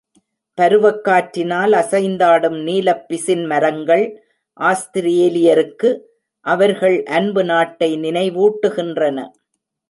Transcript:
பருவக் காற்றினால் அசைந்தாடும் நீலப் பிசின்மரங்கள் ஆஸ்திரேலியருக்கு அவர்கள் அன்பு நாட்டை நினைவூட்டுகின்றன.